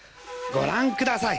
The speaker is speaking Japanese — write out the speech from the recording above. ご覧ください。